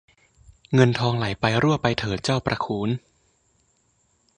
เงินทองไหลไปรั่วไปเถิดเจ้าประคู้น